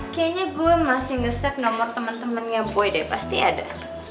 kayaknya gue masih nge save nomor temen temennya boy deh pasti ada